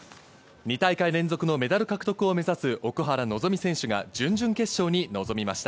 ２大会連続のメダル獲得を目指す奥原希望選手が準々決勝に臨みました。